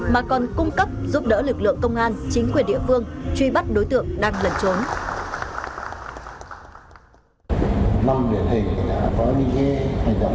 mà còn cung cấp giúp đỡ lực lượng công an chính quyền địa phương truy bắt đối tượng đang lẩn trốn